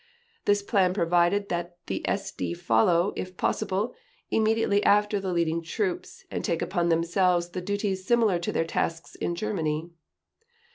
This plan provided that "the SD follow, if possible, immediately after the leading troops, and take upon themselves the duties similar to their tasks in Germany